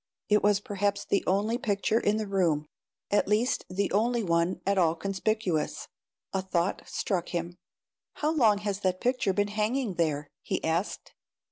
It was perhaps the only picture in the room, at least the only one at all conspicuous. A thought struck him. "How long has that picture been hanging there?" he asked.